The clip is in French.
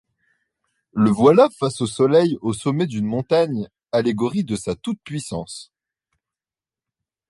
Le voilà face au soleil au sommet d'une montagne, allégorie de sa toute-puissance...